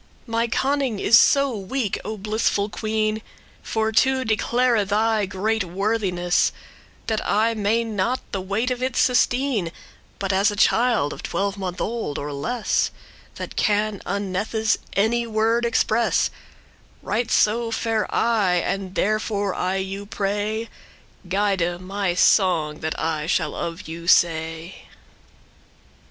My conning* is so weak, O blissful queen, *skill, ability For to declare thy great worthiness, That I not may the weight of it sustene; But as a child of twelvemonth old, or less, That can unnethes* any word express, *scarcely Right so fare I; and therefore, I you pray, Guide my song that I shall of you say.